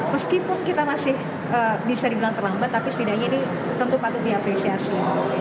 meskipun kita masih bisa dibilang terlambat tapi setidaknya ini tentu patut diapresiasi